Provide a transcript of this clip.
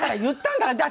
言った。